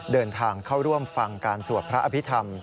เดินทางเข้าร่วมฟังการสวดพระอภิษฐรรม